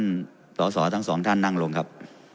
เจอท่านต่อสอทั้งสองท่านนั่งลงครับ